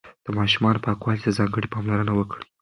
د ماشومانو پاکوالي ته ځانګړې پاملرنه وکړئ.